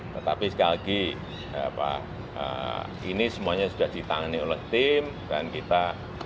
tetapi sekali lagi ini semuanya sudah ditangani oleh tim dan kita